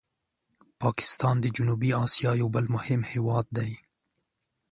پاکستان د جنوبي آسیا یو بل مهم هېواد دی.